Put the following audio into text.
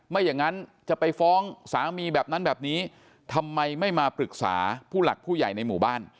ไม่อย่างนั้นจะไปฟ้องสามีแบบนั้นแบบนี้ทำไมไม่มาปรึกษาผู้หลักผู้ใหญ่ในหมู่บ้าน